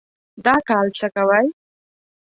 دا کال څه کوئ؟